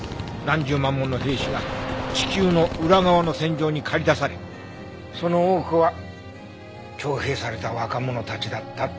何十万もの兵士が地球の裏側の戦場に駆り出されその多くは徴兵された若者たちだったって言うね。